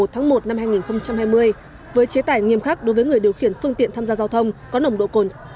tháng một năm hai nghìn hai mươi với chế tải nghiêm khắc đối với người điều khiển phương tiện tham gia giao thông có nồng độ cồn